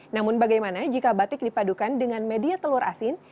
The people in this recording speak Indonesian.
namun bagaimana jika batik dipadukan dengan media telur asin